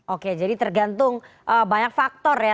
oke jadi tergantung banyak faktor ya